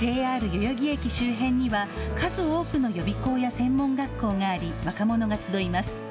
代々木駅周辺には数多くの予備校や専門学校があり若者が集います。